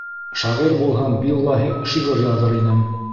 - Шағир булһам, биллаһи, шиғыр яҙыр инем!